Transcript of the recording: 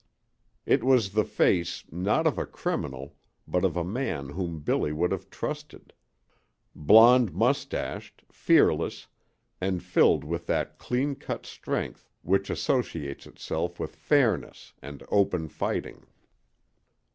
It was the face, not of a criminal, but of a man whom Billy would have trusted blonde mustached, fearless, and filled with that clean cut strength which associates itself with fairness and open fighting.